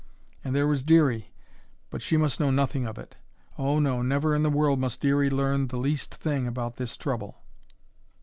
And there was Dearie but she must know nothing of it; oh, no, never in the world must Dearie learn the least thing about this trouble!